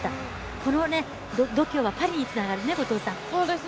この度胸はパリにつながるね、後藤さん。